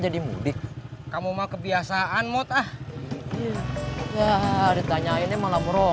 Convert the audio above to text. jadi mudik kamu mah kebiasaan motor